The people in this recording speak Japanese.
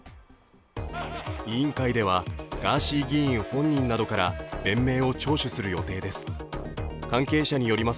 委員会ではガーシー議員本人などから弁明を聴取する予定です。